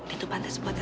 itu pantas buat kamu